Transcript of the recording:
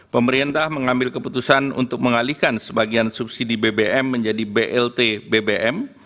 pemerintah mengambil keputusan untuk mengalihkan sebagian subsidi bbm menjadi blt bbm